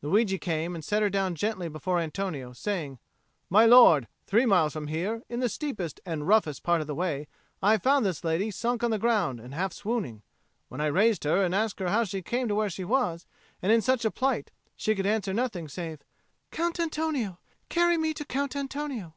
Luigi came and set her down gently before Antonio, saying, "My lord, three miles from here, in the steepest and roughest part of the way, I found this lady sunk on the ground and half swooning: when I raised her and asked how she came where she was, and in such a plight, she could answer nothing save, 'Count Antonio! Carry me to Count Antonio!'